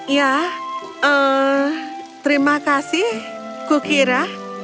ya terima kasih kukira